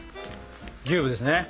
ギューぶですね？